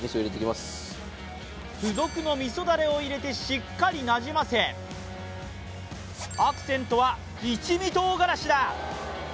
付属のみそだれを入れ、しっかりなじませ、アクセントは一味とうがらしだ。